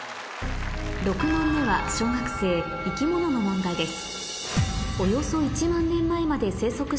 ６問目は小学生生き物の問題です